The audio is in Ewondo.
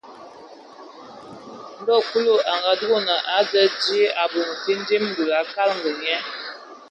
Ndo Kulu a ngadugan a dzal die, abum findim, dulu a kadag nye.